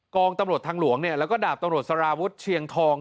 องตำรวจทางหลวงแล้วก็ดาบตำรวจสารวุฒิเชียงทอง